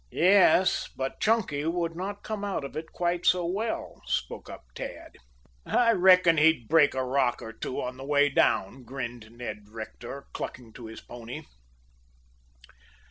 "Yes, but Chunky would not come out of it quite so well," spoke up Tad. "I reckon he'd break a rock or two on the way down," grinned Ned Rector, clucking to his pony.